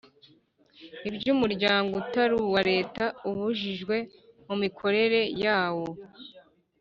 ibyo umuryango utari uwa Leta ubujijwe mu mikorere yawo